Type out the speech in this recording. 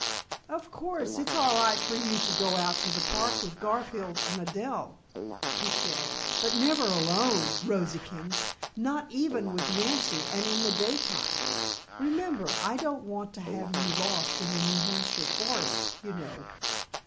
"Of course, it's all right for you to go out to the park with Garfield and Adell," he said, "but never alone, Rosy kins, not even with Nancy and in the day time. Remember, I don't want to have you lost in the New Hampshire forests, you know."